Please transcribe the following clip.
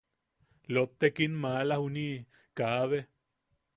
Lottek, in maala juniʼi kaabe.